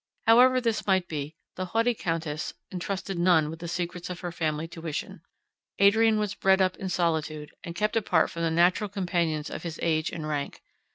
However this might be, the haughty Countess entrusted none with the secrets of her family tuition. Adrian was bred up in solitude, and kept apart from the natural companions of his age and rank.